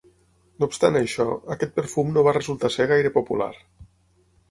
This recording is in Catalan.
No obstant això, aquest perfum no va resultar ser gaire popular.